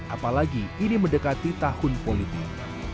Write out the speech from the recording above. apalagi ini mendekati tahun politik